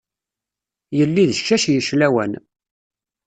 Yelli d ccac yeclawan.